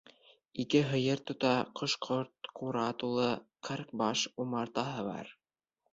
Ике һыйыр тота, ҡош-ҡорто ҡура тулы, ҡырҡ баш умартаһы бар.